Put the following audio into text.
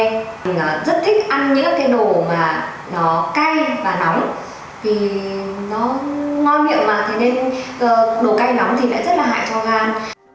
mình rất thích ăn những cái đồ mà nó cay và nóng vì nó ngon miệng mà thế nên đồ cay nóng thì lại rất là hại cho gan